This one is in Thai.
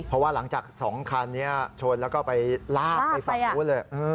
เพราะว่าหลังจาก๒คันนี้ชนแล้วก็ไปลากไปฝั่งนู้นเลย